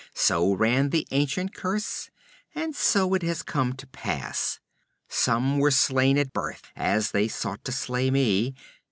So ran the ancient curse. And so it has come to pass. Some were slain at birth, as they sought to slay me.